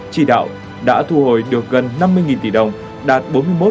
chỉ đạo đã thu hồi được gần năm mươi tỷ đồng đạt bốn mươi một